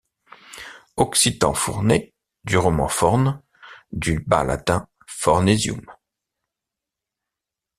Occitan Fournés, du roman Fornes, du bas latin Fornesium.